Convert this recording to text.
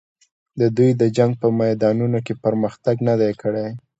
دوی د جنګ په میدانونو کې پرمختګ نه دی کړی.